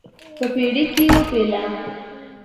په پړي کې وپېله.